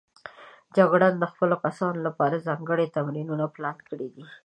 جګړن د خپلو کسانو لپاره ځانګړي تمرینونه پلان کړي دي.